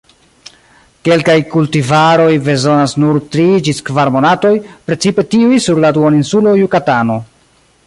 Kelkaj kultivaroj bezonas nur tri ĝis kvar monatoj, precipe tiuj sur la duoninsulo Jukatano.